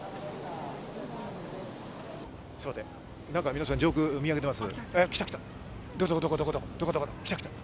皆さん、上空を見上げています。